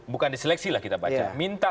bukan diseleksi lah kita baca minta